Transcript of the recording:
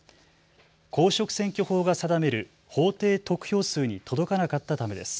公職選挙法が定める法定得票数に届かなかったためです。